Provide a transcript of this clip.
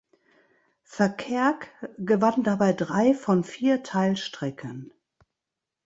Verkerk gewann dabei drei von vier Teilstrecken.